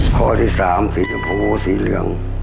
ข้อที่สามสีสะพูสีเหลือง